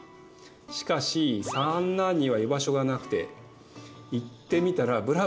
しかし三男には居場所がなくて言ってみたらブラブラしている。